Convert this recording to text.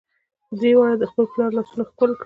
درې واړو د خپل پلار لاسونه ښکل کړل.